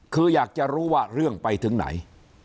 คืออยากจะรู้ว่าเรื่องไปถึงไหน